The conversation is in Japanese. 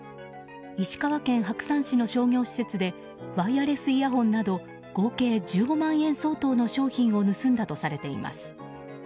石川県白山市の商業施設でワイヤレスイヤホンなど合計１５万円相当の商品を盗んだとされています。